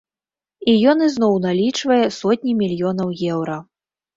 І ён ізноў налічвае сотні мільёнаў еўра.